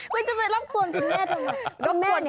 ไม่จำเป็นรับกวนคุณแม่ทำไม